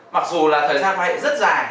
mặc dù là thời gian quan hệ rất dài